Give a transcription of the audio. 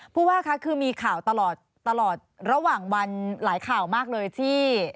ผู้ว่าคะคือมีข่าวตลอดตลอดระหว่างวันหลายข่าวมากเลยที่